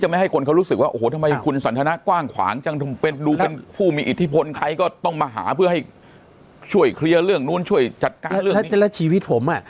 ไม่ให้คนเขารู้สึกว่าโอ้โหทำไมคุณสันทนากว้างขวางจังดูเป็นผู้มีอิทธิพลใครก็ต้องมาหาเพื่อให้ช่วยเคลียร์เรื่องนู้นช่วยจัดการชีวิตผมอ่ะ